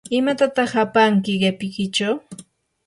¿imatataq apanki qipikichaw?